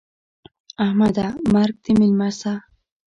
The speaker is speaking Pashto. احمده! مرګ دې مېلمه سه.